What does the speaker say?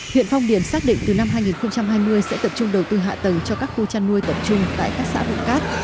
huyện phong điền xác định từ năm hai nghìn hai mươi sẽ tập trung đầu tư hạ tầng cho các khu chăn nuôi tập trung tại các xã vùng cát